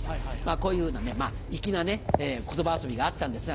こういうふうな粋な言葉遊びがあったんですが。